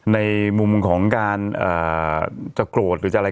ในมุมของการจะโกรธหรือจะอะไร